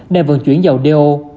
nên vận chuyển dầu do